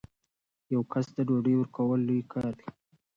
یو کس ته ډوډۍ ورکول لوی کار دی.